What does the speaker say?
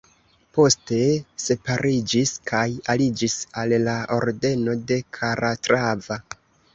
Poste separiĝis kaj aliĝis al la Ordeno de Kalatrava.